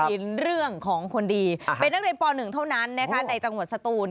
เห็นเรื่องของคนดีเป็นนักเรียนป๑เท่านั้นนะคะในจังหวัดสตูน